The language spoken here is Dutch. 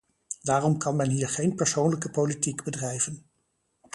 Daarom kan men hier geen persoonlijke politiek bedrijven.